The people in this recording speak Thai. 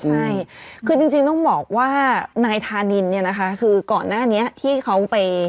ใช่คือจริงต้องบอกว่านายธานินเนี่ยนะคะคือก่อนหน้านี้ที่เขาไป